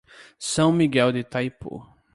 São Miguel de Taipu